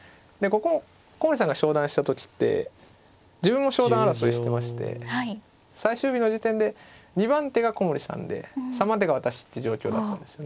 古森さんが昇段した時って自分も昇段争いしてまして最終日の時点で２番手が古森さんで３番手が私って状況だったんですね。